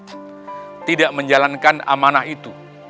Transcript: dia menyia nyiakan tidak menjalankan amanah itu